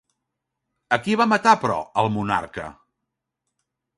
A qui va matar, però, el monarca?